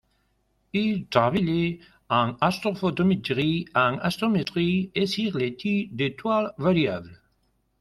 Il travaillait en astrophotométrie, en astrométrie et sur l'étude des étoiles variables.